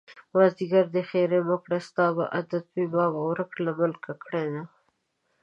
مازديګری دی ښېرې مکړه ستا به عادت وي ما به ورک له ملکه کړينه